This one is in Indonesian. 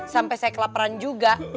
sampai saya kelaparan juga